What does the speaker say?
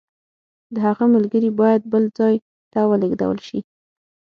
د هغه ملګري باید بل ځای ته ولېږل شي.